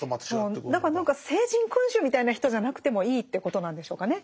何か聖人君子みたいな人じゃなくてもいいっていうことなんでしょうかね。